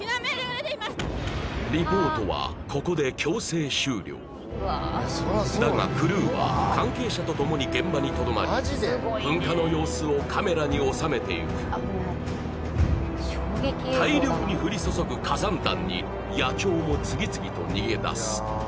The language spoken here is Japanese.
リポートはここで強制終了だがクルーは関係者とともに現場にとどまり噴火の様子をカメラに収めていく大量に降り注ぐ火山弾に野鳥も次々と逃げだす